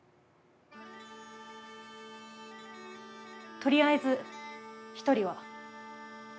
とりあえず一人は。